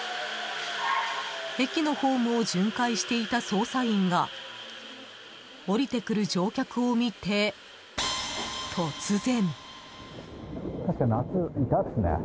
駅のホームを巡回していた捜査員が降りてくる乗客を見て、突然。